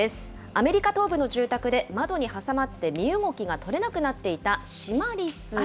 アメリカ東部の住宅で窓に挟まって身動きが取れなくなっていたシマリス。